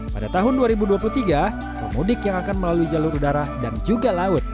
pada tahun dua ribu dua puluh tiga pemudik yang akan melalui jalur udara dan juga laut